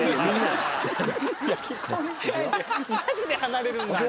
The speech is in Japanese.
マジで離れるんだ。